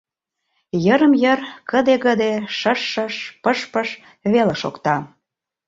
Йырым-йыр кыде-гыде, шыш-шыш, пыш-пыш веле шокта.